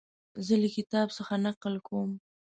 زه له کتاب څخه نقل کوم.